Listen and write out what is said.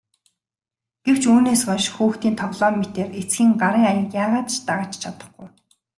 Гэвч үүнээс хойш хүүхдийн тоглоом мэтээр эцгийн гарын аяыг яагаад ч дагаж чадахгүй.